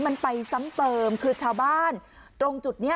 มันไปซ้ำเติมคือชาวบ้านตรงจุดนี้